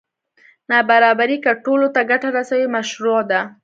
نابرابري که ټولو ته ګټه رسوي مشروع ده.